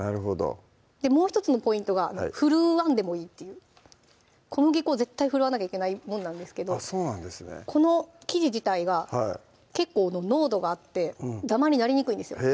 もう１つのポイントが振るわんでもいいっていう小麦粉は絶対振るわなきゃいけないもんなんですけどこの生地自体が結構濃度があってダマになりにくいんですよ